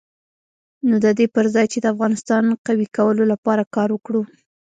نو د دې پر ځای چې د افغانستان قوي کولو لپاره کار وکړو.